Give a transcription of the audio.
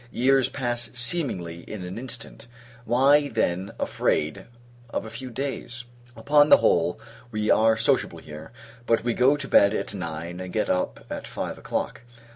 Years pass seemingly in an instant; why, then, afraid of a few days? Upon the whole, we are sociable here; but we go to bed at nine, and get up at five o'clock.